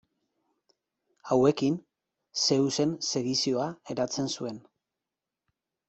Hauekin Zeusen segizioa eratzen zuen.